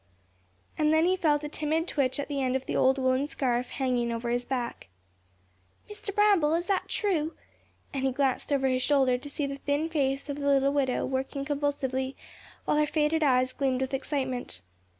And then he felt a timid twitch at the end of the old woollen scarf hanging over his back. "Mr. Bramble, is that true?" and he glanced over his shoulder to see the thin face of the little widow working convulsively, while her faded eyes gleamed with excitement.